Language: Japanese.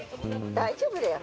大丈夫だよ。